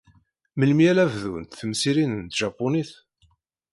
Melmi ara bdunt temsirin n tjapunit?